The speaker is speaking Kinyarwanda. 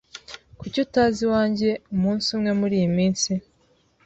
Kuki utaza iwanjye umunsi umwe muriyi minsi?